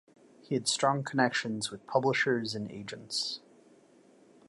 He had strong connections with publishers and agents.